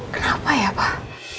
kenapa ya pak